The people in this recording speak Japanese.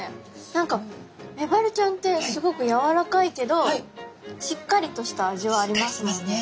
何かメバルちゃんってすごくやわらかいけどしっかりとした味はありますもんね。